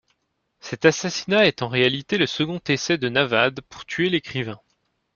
Cet assassinat est en réalité le second essai de Navvad pour tuer l’écrivain.